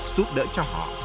giúp đỡ cho họ